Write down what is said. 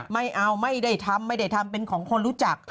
ไม่เอาไม่ได้ทำไม่ได้ทำเป็นของคนรู้จัก